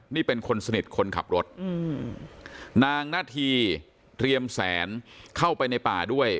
นี่เป็นคนสนิทคนขับรถอืมนางนาธีเรียมแสนเข้าไปในป่าด้วย